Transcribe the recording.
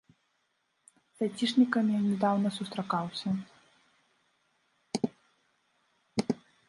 З айцішнікамі нядаўна сустракаўся.